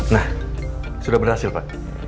nah sudah berhasil pak